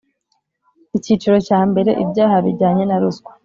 Icyiciro cya mbere Ibyaha bijyanye na ruswa